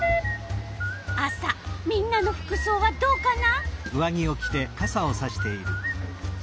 みんなの服そうはどうかな？